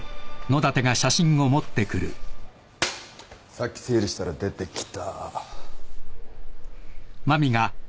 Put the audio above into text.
さっき整理したら出てきた。